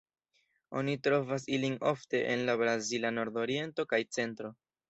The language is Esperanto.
Oni trovas ilin ofte en la brazila nordoriento kaj centro.